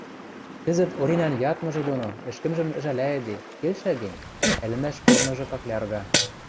Кӹзӹт Оринӓн ядмыжы доно ӹшкӹмжӹм ӹжӓлӓйӹде келшӓ гӹнь, ӹлӹмӓш корныжы каклярга.